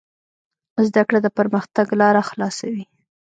زده کړه د پرمختګ لاره خلاصوي.